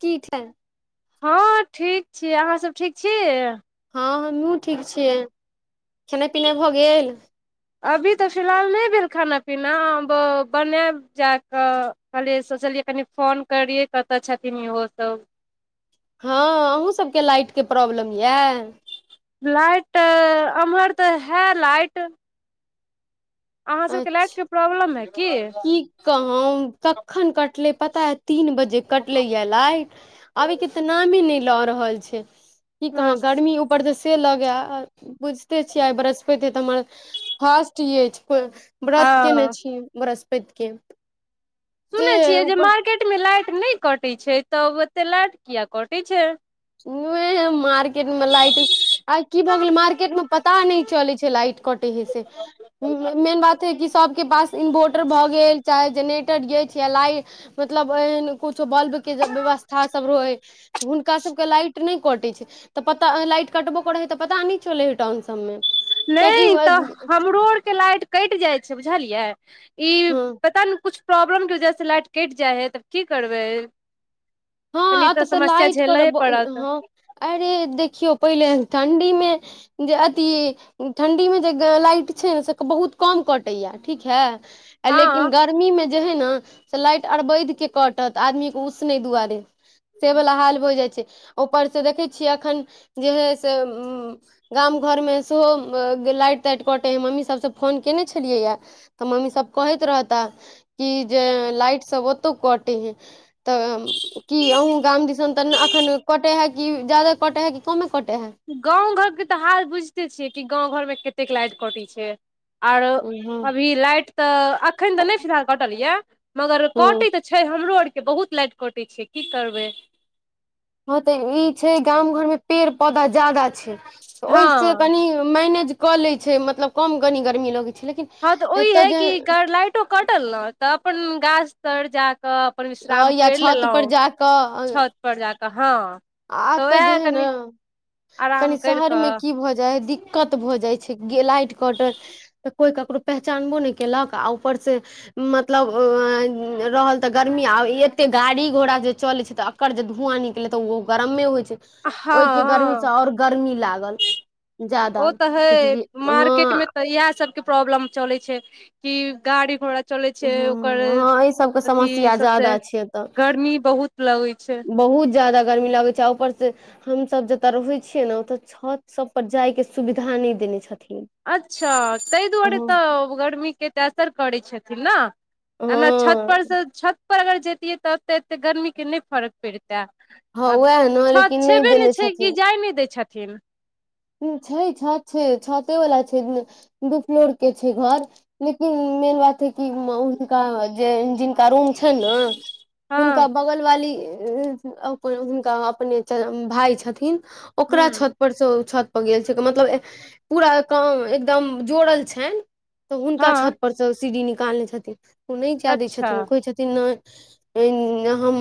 की [unintelligible] हँ ठीक छी अहाँसभ ठीक छिए हँ हमहुँ ठीक छियै खेनाई पिनाई भऽ गेल अभी तऽ फिलहाल नहि भेल खाना पीना बनायब जा कऽ कहलियै सोचलियए कनि फोन करियै कतऽ छथिन इहो सब हँ आँहु सबके लाईटके प्रॉब्लम याए लाइट ऐम्हर तऽ है लाइट अहाँ सबके के लाइट अच्छा के प्रॉब्लम है की कहो कखन कटले पता ह तीन बजे कटले या लाईट आबै के त नामे नै रहल छै कि आ कहु गर्मी उपर तऽ से लगे बुझिते छियै आई बृहस्पति हे तऽ हमर फास्ट अछि को व्रत केने छी बृहस्पतिके सुने छियै जे मार्केटमे लाईट नहि कटैत छै तब ओते लाईट किया कटै छै मार्केट में लाईट आ की भऽ गेलै मार्केट में पता नहि चलै छै लाईट कटे हेए से मेन बात है कि सभ के पास इन्वर्टर भऽ गेल चाहे जेने टुट छै य लाइट मतलब एहन कुछो बल्ब के व्यवस्था सब रहै हुनकाँसभ के लाइट नहि कटे छै तऽ पता लाइट कटबो करे है तऽ पता नहि चले हे टाउन सब मे नहि तऽ हमरो आरके लाईट कटि जाइ छै बुझलियै ई हँ पता ने कुछ प्रॉब्लम के वजह से लाइट कटि जाय है तब की करबै हँ तनी एत तऽ त समस्या लाइट झेलहे करब पड़त ह अरे देखियो पहिले ठंडी मे जे अथी ठण्डी में जे लाइट छै ने से बहुत कम कटैया ठीक है लेकिन हँ गर्मीमे जे है न से लाइट अरबैध के कटत आदमी के उसने दुआरे से वाला हाल हो जाइ छै ऊपर से देखै छियै अखन जे हइ से ह्म गाम घर में सेहो लाइट ताइट कटै हे मम्मी सभ सँ फोन कयने छलियैए तऽ मम्मी सभ कहैत रहता कि जे लाइट सभ ओतहु कटे है तब [unintelligible] कि अहूँ गाम दिसन तऽ एखन कटै है कि जादा कटै हइ कि कमे कटै है गाँंव घर के तऽ हाल बुझते छियै कि गाँंव घर में कतेक लाइट कटे छै आर हँ अभी लाईट तऽ अखन तऽ नहि फधाल कटल यए मगर हँ कटी तऽ छै हमरो आर के बहुत लाइट कटै छै की करबै हाँ तऽ ई छै गाम घर में पेड़ पौधा ज्यादा छै हँ ओहि सँ कनि मैनेज कऽ लैय छै मतलब कम कनी गर्मी लगैत छै लेकिन हँ तऽ ओहि एतय हइ कि जे लाईटो कटल ने तऽ अपन गाछ तर जा कऽ पर अ विश्राम या कर छत पर लेलहुं जा कऽ छत पर जाकऽ हँ आ ए तऽ जे उएह है ने कनि कनी आराम करि शहर मे कऽ की भऽ जाय है दिक् कत भऽ जाइ छै गे लाइट कटल तऽ कोई ककरो पहचानबो नय केलक आ ऊपर से मतलब अ रहल तऽ गर्मी आ एते गाड़ी घोड़ा जे चलै छै तऽ कर जे धुआँ निकलै तऽ ओ गरमे होइ छै हँ ओहिके गर्मी से हँ आओर गर्मी लागल जादा ओ तऽ है बुझलियै मार्केट हँ मे तऽ इएह सबके प्रॉब्लम चले छै की गाड़ी घोड़ा चलै छै ओकर ह्म हँ एहि सभके अथी समस्या सबसे ज्यादा छै एतऽ गर्मी बहुत लगै छै बहुत जादा गर्मी लागै छै आ ऊपर से हम सभ जतय रहै छियै ने ओतऽ छत सभ पर जाय के सुविधा नहि देने छथिन अच्छा ताहि दुआरे हँ तऽ गर्मी के तऽ असर करैत छथिन ने ना छत पर से छत पर अगर जैतियै तऽ एते एते गर्मी के नहि फरक परिते हँ आब उएह ने छत लेकिन छेबे नहि देने छै कि छथिन जाई नहि दै छथिन छै छत छै छते वाला छै दू फ्लोर के छै घर लेकिन मेन बात है कि हुनका जे जिनका रूम छै ने हँ हुनका बगल वाली हुनका अपने भाय छथिन हूँ ओकरा छत पर सँ ओ छत तम जाय छथिन मतलब पुरा एकाम एकदम जोड़ल छैन त हुनका हँ छत पर स सी डी निकालने छथिन ओ नय जा दै अच्छा छथिन कहै छथिन नय हम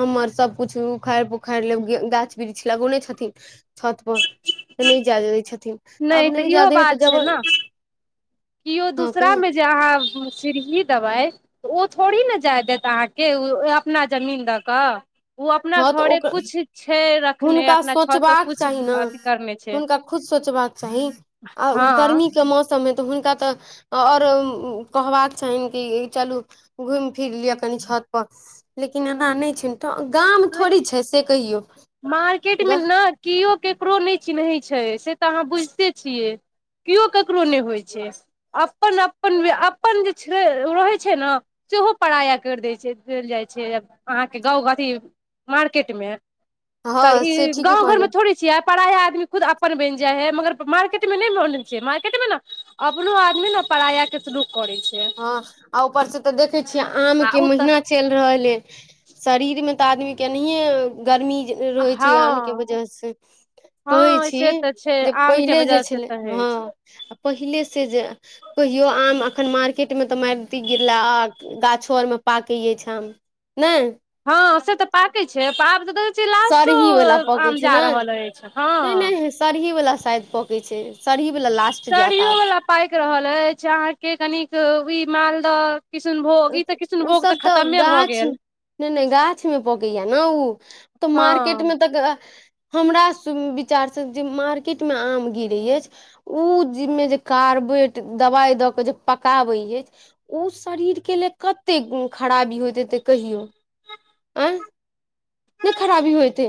हमर सबकुछ उखाड़ि पुखारि लेब गाछ वृक्ष लगौने छथिन छत पर नहि जाय दै छथिन आब तऽ नहि जा इहो दैह बात तऽ छै जबर ने किओ हँ दूसरा कहियौ मे जे अहाँ सीढ़ी देबै तऽ ओ थोड़ी ने जाय देत अहाँके ओ अपना जमीन दऽ कऽ ओ अपना हँ तऽ घरे ओकर कुछ छै रखने हुनका अपना छत तऽ सोचबाक कुछ चाही अथी करने छै सही आ ओ हँ गर्मी के मौसम है तऽ हुनका तऽ आओर कहबाक चहिन की चलू घुमि फिर लिअ कनि छत पर लेकिन एना नहि छै तं गाम थोड़ी छै से कहियौ मार्केटमे ने केओ केकरो नहि चिन्हैत छै से तऽ अहाँ बुझिते छियै किओ ककरो नहि होइत छै अपन अपन अपन जे छै रहैत छै ने से हो पराया करि दैत छै देल जाइत छै अहाँ के गाँव अथी मार्केट मे तऽ हँ से ई ठीके गाँव घर मे कहलियै थोड़ी छीयै पाराया आदमी खुद अपन बनि जाई है मगर मार्केट मे नहि बनै छै मार्केट मे ने अपनो आदमी ने पराया के शुरू करै छै हँ आ ऊपर से तऽ देखे छियै आम आ के ओ तऽ महीना चलि रहल य शरीर मे तऽ आदमी केनाहियो गर्मी रहै छै आम के हँ वजह से हँ कहै छी से तऽ छै जे आम के पहिले जे वजह से छलै तऽ हय हँ छै आ पहिले से जे कहियो आम अखन मार केट मे तऽ मारतेक गिरलक आ गाछो आर मे पाके यै अय ठम नय हँ से तऽ पाकै छै आब त द छियै लास्टो सरही वाला पकै आम छै जा ने रहल अछि हँ नहि नहि सरही वला साइज पकै छै सरही वला लास्ट जायत सरियो आब वाला पाकि रहल अछि अहाँ के कनिक ई मालदह किसुनभोग आब ई तऽ किसुनभोग तऽ खतमे भऽ गेल नै नै गाछ मे पकैया ने ओ तऽ हँ मार्केट मे तऽ हमरा विचारसँ जे मार्केटमे आम गिरैय अछि उ मे जे कार्बोट दबाई दऽ के जे पकाबै अछि ओ शरीर केले कते खराबी होइत हेते कहियौ आ नहि खराबी होएतै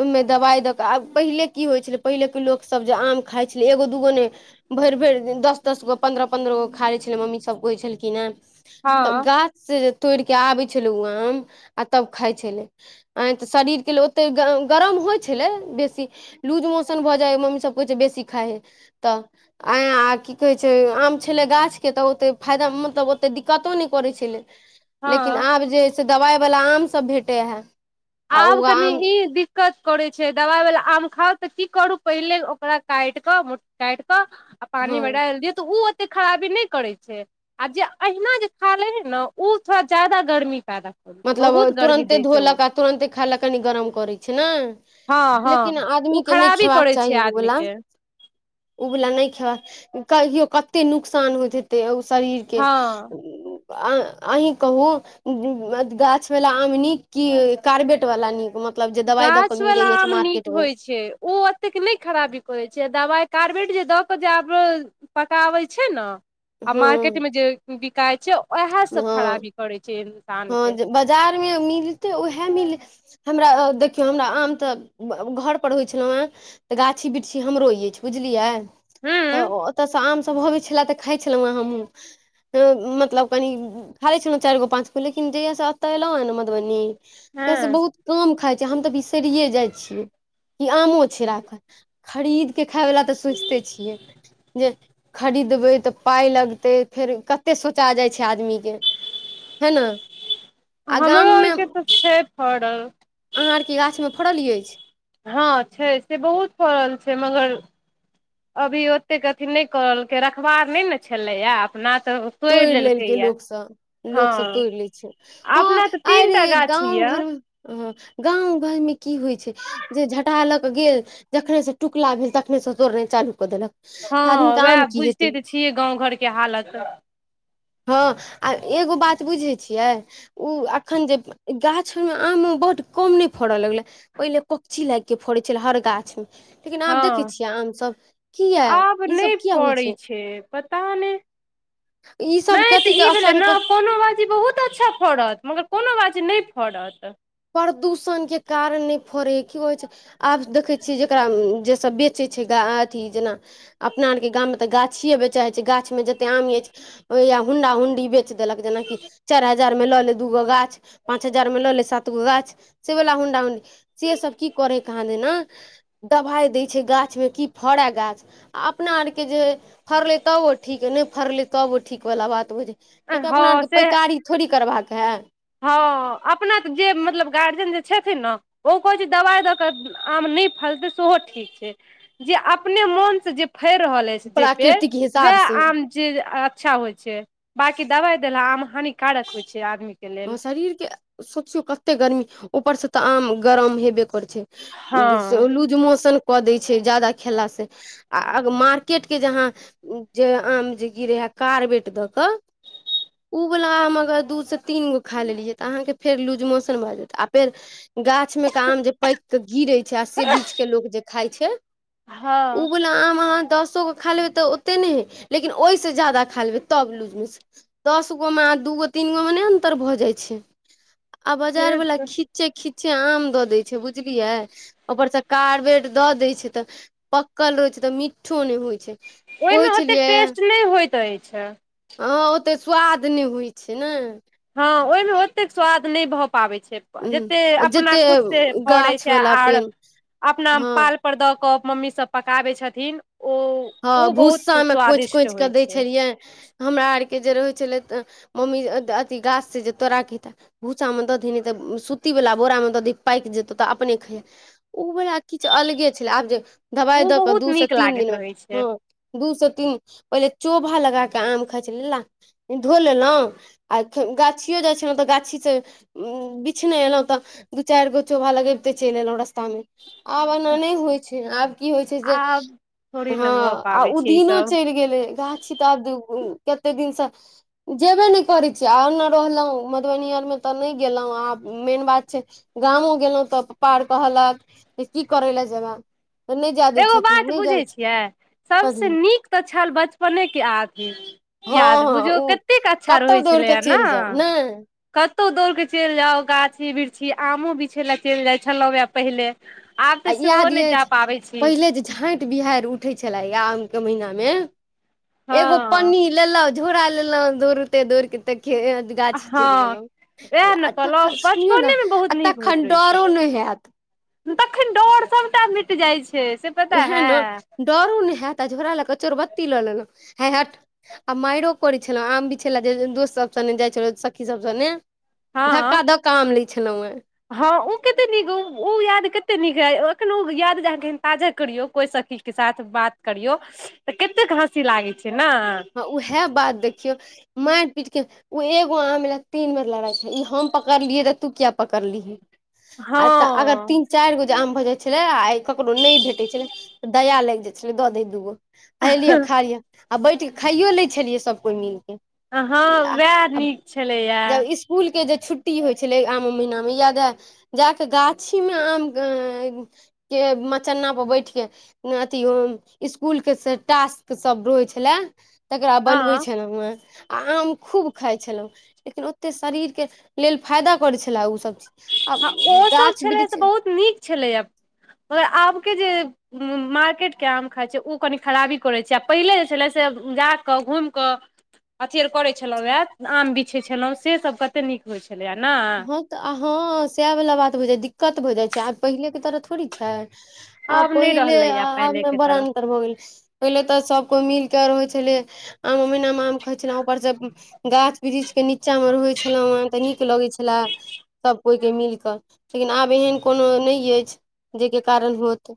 ओहिमे दबाई दऽ कऽ आब पहिले की होइ छलै पहिलेके लोकसभ जे आम खाघ छलै एगो दूगो नहि भरि भरि दीन दस दस गो पन्द्रह पन्द्रह गो खा ले छलै मम्मी सब कहै छलखिन हे हँ तब गाछ से तोड़िक आबै छलै ओ आम आ तब खाई छलै आय तऽ शरीर के लेल ओतेक गरम होइ छलै बेसी लूज मोशन भऽ जाई छइ मम्मी सब कहै बेसी खाय हेय तऽ आय आ की कहै छइ आम छलै गाछके तऽ ओतेक फायदा मतलब तऽ दिक्कतो नहि करै छलै हँ लेकिन आब जे है से दबाई वला आम सभ भेटै हए आब कनि इ दि दिक्कत करै छै दवाइ वला आम खाउ तऽ की करू पहिले ओकरा काटि कऽ मु काटि कऽ आ पाइन हँ में डालि दियै तऽ ओ ओते खराबी नहि करै छै आ जे अहिना जे खा लइ हे ने ओ थोड़ा ज्यादा गर्मी पैदा करै छै मतलब बहुत गर्मी तुरन्ते दै छै ओ धोलक आ तुरन्ते खा लेलक कनि गरम करैत छै ने हँ हँ लेकिन ओ आदमी के नहि खराबी करै खेबाक छै आदमी चाहीगोला के ओबला नइ खेबा कहियो कते नुकसान होइत छैे शरीर के हँ अहीं कहू गाछ वला आम नीक की कार्बेट वाला निक मत गाछ वला आम नीक होइ छै ओ ओतेक नइ खराबी करै छै दबाई कार्बेट जे द के जे आब पकाबइ छै ने आ हँ मार्केट में जे बिकाइत छै उएहसभ खराबी करैत छै इन्सानके बजार में मिलते उएहे मिल हमरा देखियौ हमरा आम तऽ घर पर होइ छलौ हय तऽ गाछी बिरक्षी हमरो अइछ बुझलियै तऽ हूं ओतऽसँ आम सब होबै छलै तऽ खाइ छलहुँँ हमूँ मतलब कनि खा लइ छलहुँ चारिगो पाँचगो लेकिन जहिय से एतऽ अलँ हँ मधुबनी तऽ से हँ बहुत काम खाइ छै हम तऽ बिसरिे जाइ छियै इ आमो छै राखल खरीदके खायवला तऽ सोचिते छियै जे खरीदबइ त ऽ पाइ लगतै फेर कतेक सोचा जाइत छै आदमी के है ने आ गाम हमरो मे आर के तऽ छइ फड़ल अहाँ आरके गाछ में फड़ल अछि हँ छइ से बहुत फड़ल छै मगर अभी ओतेक अथी नइ करलकै रखबार नहि ने छलैए अपना तऽ तोड़ि लेलकै लोक सब हँ लोकसभ तोड़ लै छै हँ अपना तऽ आइ तीन रे टा गाछ गाँव यए घर में ह गाँव घर में की होइ छै जे झटा लऽ क गेल जखने से टुकला भेल तखने से तोड़ना चालू कऽ देलक हँ तऽ आदमीके आम उएह की हेतै बुइझते तऽ छियै गाँव घरके हालत हँ आ एगो बात बुझै छियै ओ एखन जे गाछर में आम मे बहुत कम नहि फड़य लगले ओहिले पक्षी लागि के फोड़ै छलै हर गाछ में लेकिन आब देखे हँ छियै आम सब क य आब ई सब नहि किया होइ फड़ै छइ छै पता नइ ईसभ नहि तऽ कथीके ई भेल असर न पर कोनो बाजी बहुत फड़त मगर कोनो बाज नइ फड़त प्रदूषण के कारण नइ फड़े ह की कहै छै आब देखे छीयै जेकरा जेस बेच बेचै छै ग अथी जेना अपना आरके गाममें तऽ गाछिए बेचऽइत छै गाछमे जतेक आम अछि ओ य हुंडाुंडी बेच देलक जेनाकि चारि हजार में लऽ ले दूगो गाछ पाँच हजार में लऽ ले सात गो गाछ से वला होडा उंडी से सब की करे ह कहाँ दे ने दबाइ दइ छै गाछमे की फड़य गाछ आ अपना आरके जे फरलै तब ओ ठीक ह नइ फड़लै तब ओ ठीक वला बात बझ कियाकि हँ अपना आरके से पैकारी थोड़ी करबाक है हँ अपना तऽ जे मतलब गार्जियन जे छथिन ने ओ कहैत छै दवाइ द क आ नहि फलतै सेहो ठीक छै जे अपने मन फइड़ रहल अछि जे पेड़ प्राकृतिक हिसाब वएह से आम जेज अच्छा होइ छै बाँकी दवाइ देला आम हानिकारक होइ छै आदमीे वैह शरीर के सोचियौ कते गर्मी ऊपर से तऽ आम गरम हेबे करै हँ छै लूज मोशन कऽ दै छै जादा खेलासँ आ मार केट के जहाँ जे आम जे गिरइ है कारबेट द क वला आ अगर दूसँ तीन गो खा लेलियै तऽ अहाँके फेर लूज मोशन भऽ जात आ फेर गाछ मे के आम जे पैक के गिरे छै आ से बीच के लोग जे खाय छै हँ ओ बोला आम अहाँ दसो खा लबै तऽ ओते नइ हइ लेकिन ओहिसँ ज जाादा खा लेबै तब लूजमेस दस गो में आ दूगो तीन गो में नहि अन्तर भऽ जाइ छै आ बाजार से वला ख तऽ किच्चे खीच्चे आम दऽ दै छै बुझलियै ऊपरसँ कारबेट दऽ दै छै तऽ पक्कल रहै छै तऽ मिठो नइ होइ छै ओहिमें कहै ओतेक छलियै टेस्ट नहि होइत अछि हँ ओतेक स्वाद नइ होइत छै ने हँ ओहिमें ओतेक स्वाद नहि भऽ पाबैत छै जते अपना जते खुद से फड़ै गाछ छै वाला आर पेड़ अपना हँ पाल पर दऽ कऽ मम्मी सब पकाबै छथिन ओ हँ ओ बहुत भूस्सा में कोचि स्वादिष्ट कोच कऽ होइ दै छै छलियै हमरा आरके जे रहैत छलै तऽ मम्मी अथी गाछ से जे तोरा खते भूसामे दधी नहि तऽ स सुतीवला बोरा में दधी पाकि जेतहु तऽ अपने खैहे ओ वला किछु अलगे छलै आब जे दवाइ ओ दऽ कऽ दू बहुत से नीक तीन लागैत दिन में रहै छै हँ दू से तीन पहिले चोभा लगा के आम खाइ छल ला धो लेलहुँ आ गाछियो जाइ छै ने तऽ गाछी से उ बिछने एलहुं तऽ दू चाइर गो चोभा लगेबते चलि एलहुँ रस्ता मे आब एना नइ होइ छै आब की होइ छै से आब थोड़ी हँ ने भऽ आ पाबै ओ छै ई दिनो सब चइल गेलै गाछी तऽ आब कते दिनसँ जेबै नहि करै छीियै आउ ने रहलहुँ मधुबनी आर मे तऽ नहि गेलहुँं आब मेन बात छै गामो गेलहुँ तऽ पप्पा आर कहलक जे की करै लए जेबह तऽ नइ जाय दै छु नहि जाइ छ सबसँ नीक तऽ छल बचपने के आदमी हँ याद हँ बुझौ उ कतेक अच्छा कतहु रहै दौड़ कऽ छलैए ने चलि जाउ नहि कतहु दौड़ कऽ चइल जाउ गाछी वृक्षी आमो बिछय लए चलि जाइत छलहुँ हए पहिले आब तऽ आ सेहो याद नइ जा अछि पाबै छै पहिले जे झाट बिहारि उठे छलाे या आम के महिना मे एगो हँ पनीर इले झोर अले दूरते दोर कत ख गाछी चलि हँ गेलहुँ उएह ने कहलहुँ एतऽ सुनियौ ने बचपनेमे बहुत एतऽ नीक होइत रहैत खंडरो छलै नहि होयत तखन डर सबटा मिट जाइ छै से पता उएह है ने डरो नहि हत आ झोरा लऽ कऽ चोर बत्ती लऽ लेलक ह आ मारि करै छलहुँ आम भी छले दोस्तसभ से जाइत छलहु सखीसभ सनेे धक्का हँ धक्का आम लैत छलहुँ हैं हँ ओ कतेक नीक ओ याद कतेक नीक रह एखन ओ याद अहाँ ताजा करियौ कोइसखी के साथ बात करियौ तऽ कतेक हँसी लागे छै ने उएह बात देखियौ माइर पीट के ओ एगो आम म ल तीन बेर लड़ाइ छै ई हम पकड़लियह तऽ तू किया पकड़लिही आ तऽ अगर हँ तीन चाइर गो जे आम भऽ जाइत छलै आ ककरो नइ भेटै छलै तऽ दया लागि जाइ छलै दऽ द दूगो हेलिय खा आ बैठ खाइयो लै छलियै सब कोइ मिलके हँ उएह नीक छलैए इसकुलके जे छुट्टी होइ छलै आम महिनामे यादऽ जा कऽ गाछी में आम के मचन्नापर बैठके न अथी इसकुलके टास्कसभ रहै छलय तकरा बनबै हँ छलहुँ हँ आ आम खूब खाइ छलहुँ लेकिन ओतेक शरीरके लेल फायदा करै छलै ओसभ चीज आ हँ ओसभ गाछ छलैए से वृक्ष बहुत नीक छलैए मर आबके जे मार्केटके आम खाइत छै ओ कनि खराबी करै छै आ पहिले जे छलै से जा कऽ घुमि कऽ अथी और करैत छलहुँ हए आम बिछैत छलहुँ सेसभ कतेक नीक होइत छलैए नै हँ तऽ हँ सएह बला बात हो जाइ दिक्कत भऽ जाइ छै आब पहिलेके तरह थोड़ी छै आ आब नहि पहिले रहलैए आब मे पहिलेके तरह बड़ा अंतर भऽ गेल पहिले तऽ सभ कोइ मिलके आ रहै छलै आम महिना मे आम खाय छलहुं ऊपर स गाछ वृक्ष के नीचा मे रहे छलौं हें तऽ नीक लगे छै छला सब कोइके मिल कऽ लेकिन आब एहन कोनो नइ अछि जेके कारण होत